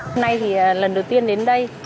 hôm nay thì lần đầu tiên đến đây